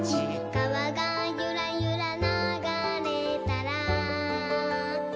「かわがゆらゆらながれたら」